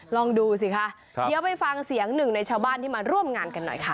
ลองดูสิคะเดี๋ยวไปฟังเสียงหนึ่งในชาวบ้านที่มาร่วมงานกันหน่อยค่ะ